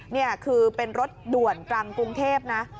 นี่คือเป็นรถด่วนกลางกรุงเทพนะ